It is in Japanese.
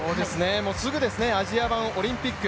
もうすぐですね、アジア版オリンピック。